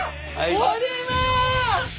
これは！